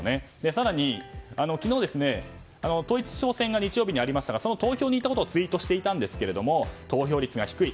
更に昨日、統一地方選が日曜日にありましたがその投票に行ったことをツイートしていたんですが投票率が低い